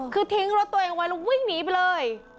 คือทิ้งรถตัวเองไว้แล้ววิ่งหนีไปเลย